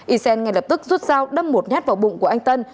ysen ngay lập tức rút dao đâm một nhát vào bụng của anh tân